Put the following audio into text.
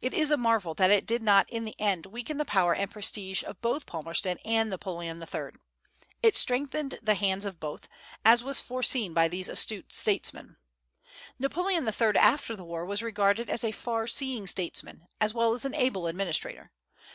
It is a marvel that it did not in the end weaken the power and prestige of both Palmerston and Napoleon III. It strengthened the hands of both, as was foreseen by these astute statesmen. Napoleon III. after the war was regarded as a far seeing statesman, as well as an able administrator.